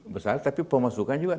besar tapi pemasukan juga